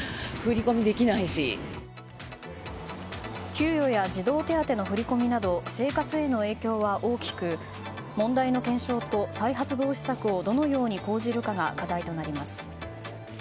給与や児童手当の振り込みなど生活への影響は大きく問題の検証と再発防止策をどのように講じるかが課題となります。